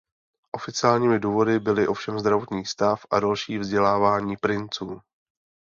Oficiálními důvody byly ovšem zdravotní stav a další vzdělávání princů.